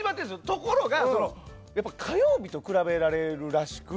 ところが火曜日と比べられるらしく。